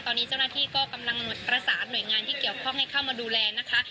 ตอนนี้เจ้าหน้าที่ก็กำลังประสานหน่วยงานที่เกี่ยวข้องให้เข้ามาดูแลนะคะ